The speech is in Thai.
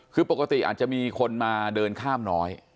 คือปกติอาจจะมีคนมาเดินข้ามน้อย